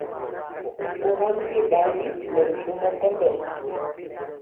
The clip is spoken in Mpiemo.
Kogam jwi ɗali nɛ bisombɔ kɔndɔ.